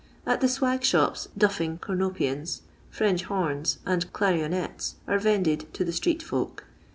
At the swag shops duffing cornopean*, French horn*, and da rionet* are vended to the street^folk.